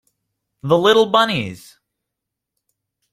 The little bunnies!